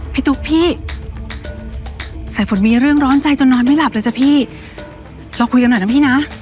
ตุ๊กพี่สายฝนมีเรื่องร้อนใจจนนอนไม่หลับเลยจ้ะพี่เราคุยกันหน่อยนะพี่นะ